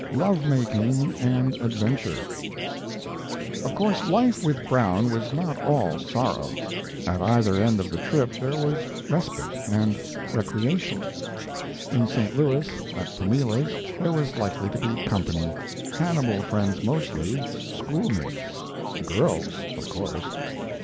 LOVE MAKING AND ADVENTURE Of course, life with Brown was not all sorrow. At either end of the trip there was respite and recreation. In St. Louis, at Pamela's there was likely to be company: Hannibal friends mostly, schoolmates girls, of course.